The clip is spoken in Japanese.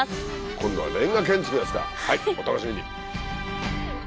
今度はレンガ建築ですかお楽しみに。